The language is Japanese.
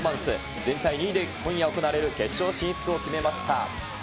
全体２位で、今夜行われる決勝進出を決めました。